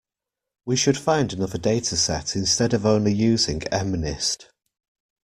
We should find another dataset instead of only using mnist.